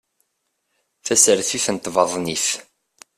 Tasertit n tbaḍnit